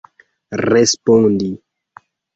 respondi